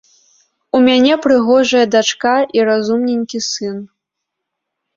У мяне прыгожая дачка і разумненькі сын.